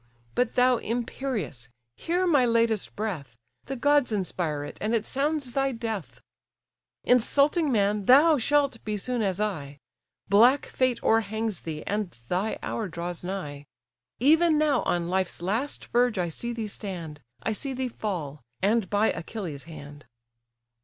But thou, imperious! hear my latest breath; The gods inspire it, and it sounds thy death: Insulting man, thou shalt be soon as I; Black fate o'erhangs thee, and thy hour draws nigh; Even now on life's last verge I see thee stand, I see thee fall, and by Achilles' hand."